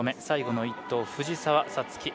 最後の１投、藤澤五月。